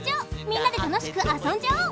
みんなでたのしくあそんじゃおう。